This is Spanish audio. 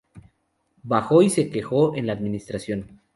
Bajó y se quejó en la administración.